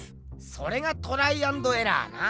それがトライアンドエラーな？